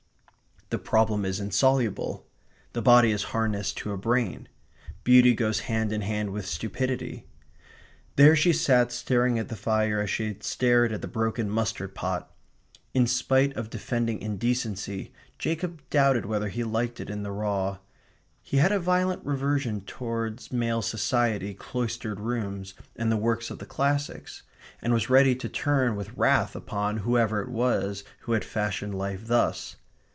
The problem is insoluble. The body is harnessed to a brain. Beauty goes hand in hand with stupidity. There she sat staring at the fire as she had stared at the broken mustard pot. In spite of defending indecency, Jacob doubted whether he liked it in the raw. He had a violent reversion towards male society, cloistered rooms, and the works of the classics; and was ready to turn with wrath upon whoever it was who had fashioned life thus.